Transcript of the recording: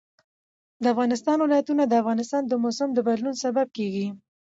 د افغانستان ولايتونه د افغانستان د موسم د بدلون سبب کېږي.